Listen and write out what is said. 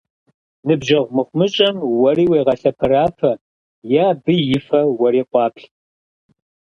Ныбжьэгъу мыхъумыщӀэм уэри уегъэлъэпэрапэ, е абы и фэ уэри къуаплъ.